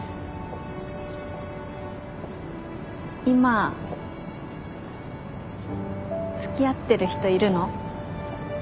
今付き合ってる人いるの？